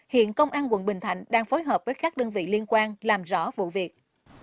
hiện công an quận bình thạnh đang phối hợp với các đơn vị liên quan làm rõ vụ việc